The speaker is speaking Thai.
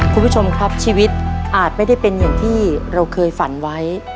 คุณผู้ชมครับชีวิตอาจไม่ได้เป็นอย่างที่เราเคยฝันไว้